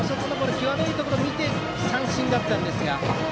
際どいところ、見て三振だったんですが。